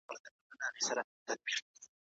د اوبو ضایع کول ښه کار نه دی.